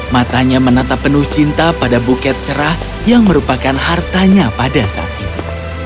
matanya menata penuh cinta pada buket cerah yang merupakan hartanya pada saat itu